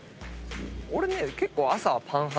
俺ね結構。